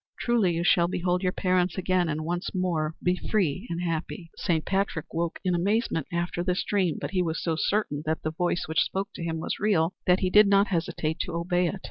Truly you shall behold your parents again and once more be free and happy." Saint Patrick woke in amazement after this dream, but he was so certain that the voice which spoke to him was real that he did not hesitate to obey it.